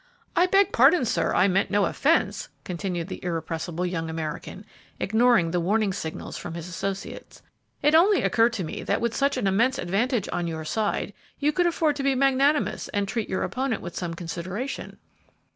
"I beg pardon, sir, I intended no offence," continued the irrepressible young American, ignoring the warning signals from his associates; "it only occurred to me that with such an immense advantage on your side you could afford to be magnanimous and treat your opponent with some consideration."